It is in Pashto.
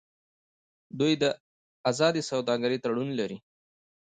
دوی د ازادې سوداګرۍ تړون لري.